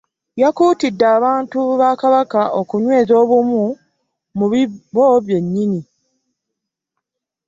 Yakuutidde abantu ba Kabaka okunyweza obumu mi bbo bennyini.